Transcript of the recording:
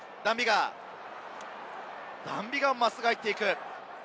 ダン・ビガーも真っすぐ入っていく。